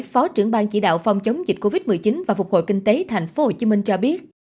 phó trưởng bang chỉ đạo phòng chống dịch covid một mươi chín và phục hồi kinh tế tp hcm cho biết